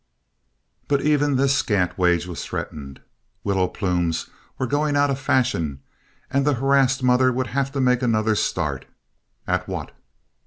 But even this scant wage was threatened. Willow plumes were going out of fashion, and the harassed mother would have to make another start. At what?